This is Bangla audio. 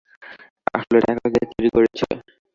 আসলে টাকা কে চুরি করেছিল?